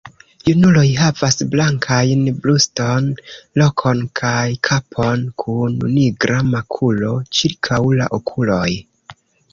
Junuloj havas blankajn bruston, kolon kaj kapon kun nigra makulo ĉirkaŭ la okuloj.